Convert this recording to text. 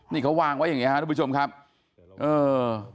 นี่เขาวางไว้อย่างเงี้ฮะทุกผู้ชมครับเออ